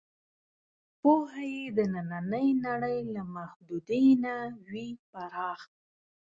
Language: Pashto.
پوهه یې د نننۍ نړۍ له محدودې نه وي پراخ.